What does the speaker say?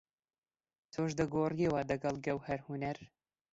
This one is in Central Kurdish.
تۆش دەگۆڕیەوە دەگەڵ گەوهەر هونەر؟